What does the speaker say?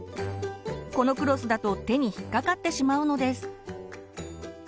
このクロスだと手に引っかかってしまうのです。